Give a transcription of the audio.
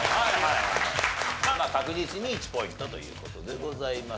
まあまあ確実に１ポイントという事でございます。